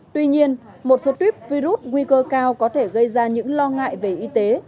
tuy nhiên một số tuyếp virus nguy cơ cao có thể gây ra những lo ngại về y tế